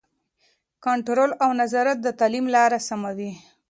کنټرول او نظارت د تعلیم لاره سموي.